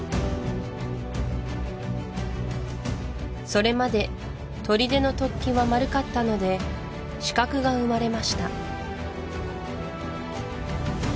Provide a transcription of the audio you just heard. それまでとりでの突起は丸かったので死角が生まれました